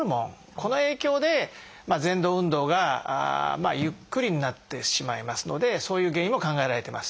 この影響でぜん動運動がゆっくりになってしまいますのでそういう原因も考えられてます。